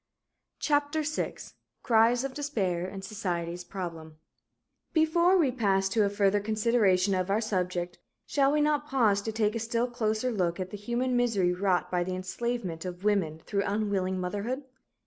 CHAPTER VI CRIES OF DESPAIR AND SOCIETY'S PROBLEMS Before we pass to a further consideration of our subject, shall we not pause to take a still closer look at the human misery wrought by the enslavement of women through unwilling motherhood?